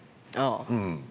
ああ。